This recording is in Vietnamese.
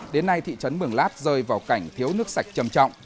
đến nay thị trấn mường lát rơi vào cảnh thiếu nước sạch chầm trọng